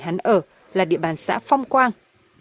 nhìn hắn ở là địa bàn xã phong quang